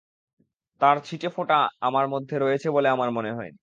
তার ছিটেফোঁটা আমার মধ্যে রয়েছে বলে আমার মনে হয়নি।